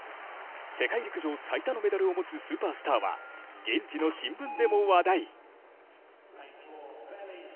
世界陸上最多のメダルを持つスーパースターは現地の新聞でも話題。